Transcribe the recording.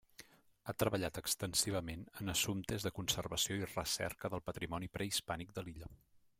Ha treballat extensivament en assumptes de conservació i recerca del patrimoni prehispànic de l'illa.